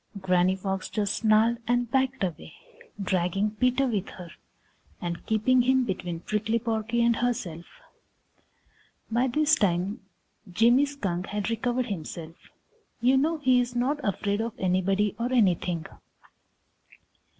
Granny Fox just snarled and backed away, dragging Peter with her and keeping him between Prickly Porky and herself. By this time Jimmy Skunk had recovered himself. You know he is not afraid of anybody or anything.